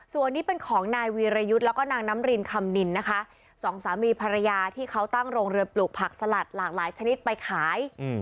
ส่วนนี้เป็นของนายวีรยุทธ์แล้วก็นางน้ำรินคำนินนะคะสองสามีภรรยาที่เขาตั้งโรงเรือปลูกผักสลัดหลากหลายชนิดไปขาย